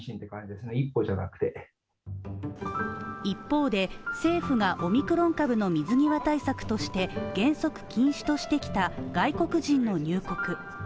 一方で、政府がオミクロン株の水際対策として原則禁止としてきた外国人の入国。